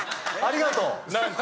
ありがとう。